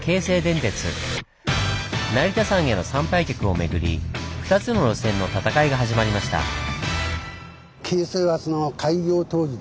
成田山への参拝客を巡り２つの路線の戦いが始まりました。